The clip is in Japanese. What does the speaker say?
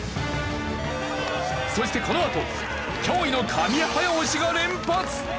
そしてこのあと驚異の神早押しが連発！